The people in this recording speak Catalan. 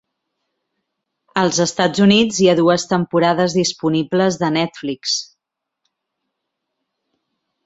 Als Estats Units hi ha dues temporades disponibles a Netflix.